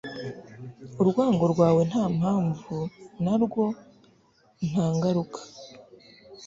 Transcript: urwango rwawe nta mpamvu narwo nta ngaruka